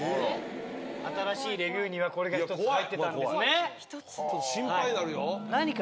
新しいレビューにはこれが１つ入ってたんですね。